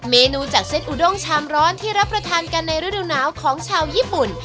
เมนูจากเส้นอุด้งชามร้อนที่รับประทานกันในฤดูหนาวของชาวญี่ปุ่น